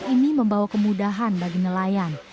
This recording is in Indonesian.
ini membawa kemudahan bagi nelayan